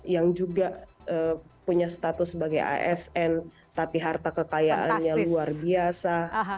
yang juga punya status sebagai asn tapi harta kekayaannya luar biasa